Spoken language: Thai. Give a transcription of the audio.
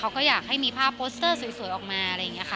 เค้าก็อยากให้มีภาพมีโปสเตอร์สวยสวยออกมา